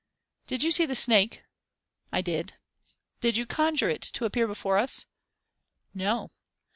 "Did you see the snake?" "I did." "Did you conjure it to appear before us?" "No."